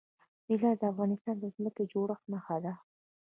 طلا د افغانستان د ځمکې د جوړښت نښه ده.